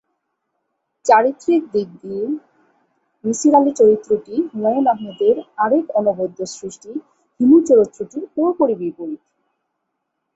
চারিত্রিক দিক দিয়ে মিসির আলি চরিত্রটি হুমায়ূন আহমেদের আরেক অনবদ্য সৃষ্টি হিমু চরিত্রটির পুরোপুরি বিপরীত।